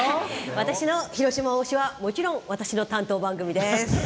私の広島推しはもちろん私の担当番組です。